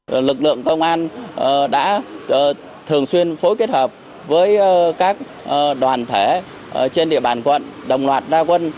lực lượng công an đã thường xuyên phối kết hợp với các đoàn thể trên địa bàn quận đồng loạt ra quân